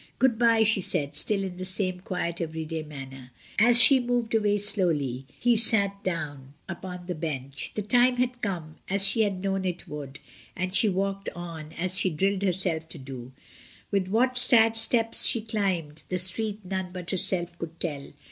"Good bye," she said, still in the same quiet everyday manner. As she moved away slowly he sat down upon the bench. The time had come, as she had known it would, and she walked on as she had drilled herself to do; with what sad steps she climbed the street none but herself could tell.